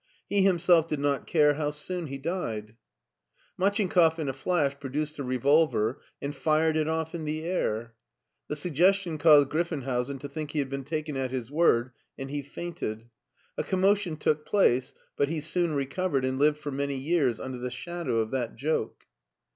He himself did not care ho>y soon he died. Machinkoff in a flash produced a revolver, and fired it off in the air. The suggestion caused Griffenhousen to think he had been taken at his word, and he fainted. A commotion took place, but he soon recovered and lived for many years under the shadow of that joke.